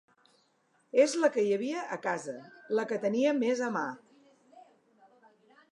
És la que hi havia a casa, la que tenia més a mà.